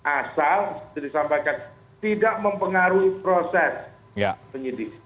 asal tidak mempengaruhi proses penyidik